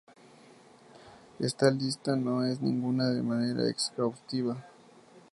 Esta lista no es de ninguna manera exhaustiva.